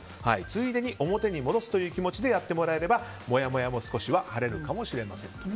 ついでに表に戻すという気持ちでやってもらえればもやもやも少しは晴れるかもしれません。